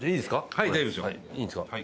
はい大丈夫ですよ。